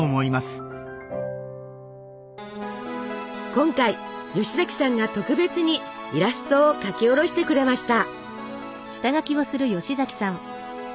今回吉崎さんが特別にイラストを描き下ろしてくれました。